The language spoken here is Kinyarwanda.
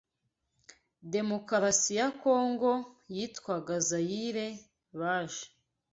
Demokarasi ya Congo yitwaga Zaire baje